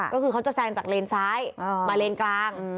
ก็คือเขาจะแซงจากเลนซ้ายมาเลนกลาง